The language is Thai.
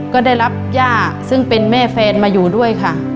ก็ได้รับย่าซึ่งเป็นแม่แฟนมาอยู่ด้วยค่ะ